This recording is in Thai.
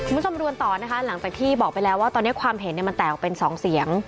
คุณผู้ชมดูกันต่อนะคะหลังจากที่บอกไปแล้วว่าตอนนี้ความเห็นมันแตกออกเป็น๒เสียง